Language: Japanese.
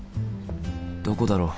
どこだろう？